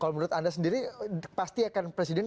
kalau menurut anda sendiri pasti akan presiden